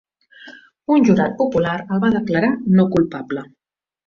Un jurat popular el va declarar no culpable.